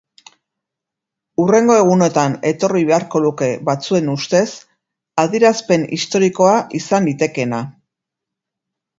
Hurrengo egunotan etorri beharko luke batzuen ustez adierazpen istorikoa izan litekeena.